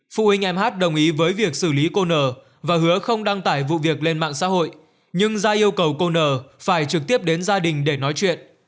phụ huynh em hát đồng ý với việc xử lý cô nở và hứa không đăng tải vụ việc lên mạng xã hội nhưng ra yêu cầu cô nờ phải trực tiếp đến gia đình để nói chuyện